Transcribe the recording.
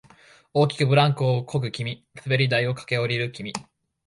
大きくブランコをこぐ君、滑り台を駆け下りる君、